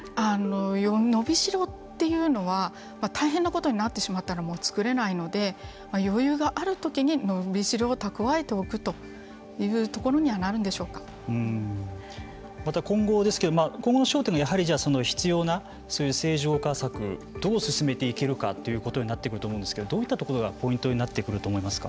伸びしろというのは大変なことになってしまったらもう作れないので余裕があるときに伸びしろを蓄えておくというところにはまた今後ですけれども今後の焦点は必要な正常化策どう進めていけるかということになってくると思うんですけれどもどういったところがポイントになってくると思いますか。